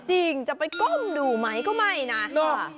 จริงจะไปก้มดูไหมก็ไม่นะเนาะ